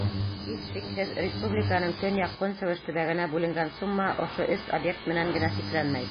Һис шикһеҙ, республиканың көньяҡ-көнсығыш төбәгенә бүленгән сумма ошо өс объект менән генә сикләнмәй.